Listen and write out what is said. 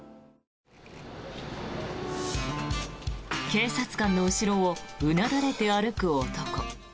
警察官の後ろをうなだれて歩く男。